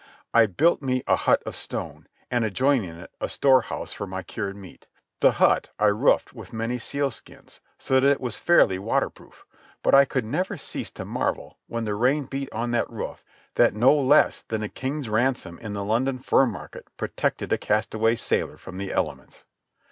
I built me a hut of stone, and, adjoining it, a storehouse for my cured meat. The hut I roofed with many sealskins, so that it was fairly water proof. But I could never cease to marvel, when the rain beat on that roof, that no less than a king's ransom in the London fur market protected a castaway sailor from the elements.